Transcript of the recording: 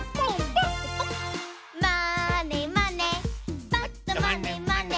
「まーねまねぱっとまねまね」